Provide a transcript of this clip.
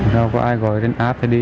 rồi có ai gọi trên app thì đi